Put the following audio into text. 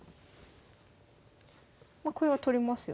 まこれは取りますよね。